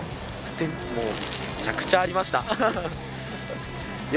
もう、めちゃくちゃありました。